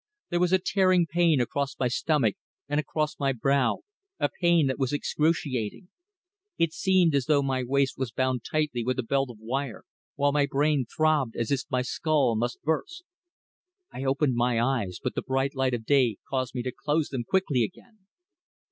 There was a tearing pain across my stomach, and across my brow a pain that was excruciating. It seemed as though my waist was bound tightly with a belt of wire, while my brain throbbed as if my skull must burst. I opened my eyes, but the bright light of day caused me to close them quickly again.